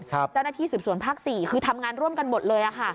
เจ้าหน้าที่สืบสวนภาค๔คือทำงานร่วมกันหมดเลย